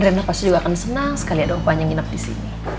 dan rena pasti juga akan senang sekali ada opahannya nginep disini